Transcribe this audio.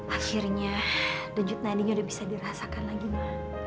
akhirnya denyut nadinya udah bisa dirasakan lagi ma